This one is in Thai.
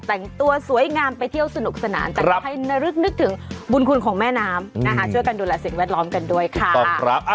แต่งตัวสวยงามไปเที่ยวสนุกสนานแต่ก็ให้นรึกนึกถึงบุญคุณของแม่น้ำนะคะช่วยกันดูแลสิ่งแวดล้อมกันด้วยค่ะ